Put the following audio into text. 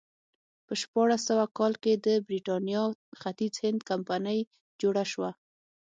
په شپاړس سوه کال کې د برېټانیا ختیځ هند کمپنۍ جوړه شوه.